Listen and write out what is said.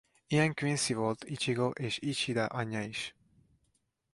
Ilyen quincy volt Icsigo és Isida anyja is.